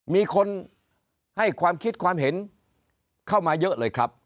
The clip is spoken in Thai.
มีคนให้ความคิดความเห็นเข้ามาเยอะเลยครับ